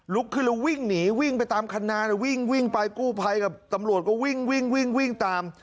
ลุกขึ้นแล้ววิ่งหนีวิ่งไปตามคันนาวิ่งวิ่งไปกู้ภัยกับตำรวจก็วิ่งวิ่งตาม